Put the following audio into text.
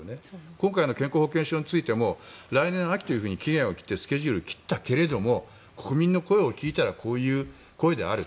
今回の健康保険証についても来年秋というふうにスケジュールを切ったけれども国民の声を聞いたらこういう声である。